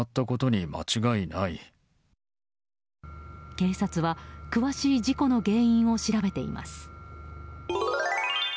警察は詳しい事故の原因を調べています。